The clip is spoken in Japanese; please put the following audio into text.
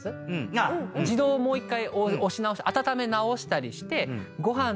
自動をもう１回押し直して温め直したりして。